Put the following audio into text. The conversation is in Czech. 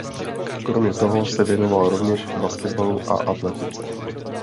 Kromě toho se věnoval rovněž basketbalu a atletice.